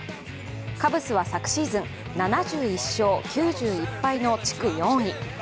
カブスは昨シーズン、７１勝９１敗の地区４位。